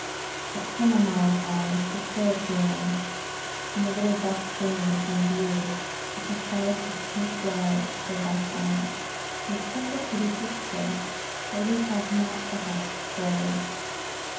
But Ponnamal's eyes were so appealing, and the little buff things in blue with a trellis of pink flowers for background made such a pretty picture, that we had not the heart to spoil it.